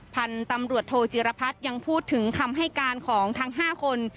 พันธุ์ตำรวจโทจิรพัฒน์ยังพูดถึงคำให้การของทั้ง๕คน